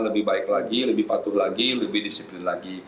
lebih baik lagi lebih patuh lagi lebih disiplin lagi